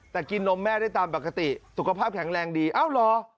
แต่กินนมแม่ได้ตามปกติสุขภาพแข็งแรงดีเอ้าเหรอ